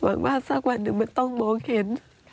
ว่าสักวันหนึ่งมันต้องมองเห็น